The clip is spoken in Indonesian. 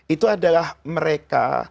itu adalah mereka